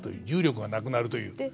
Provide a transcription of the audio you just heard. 重力がなくなるという。